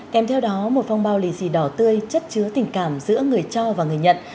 kèm theo đó một phong bao lì xì đỏ tươi chất chứa tình cảm giữa người cho và người nhận